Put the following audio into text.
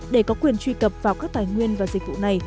để có quyền truy cập vào các tài nguyên và dịch vụ này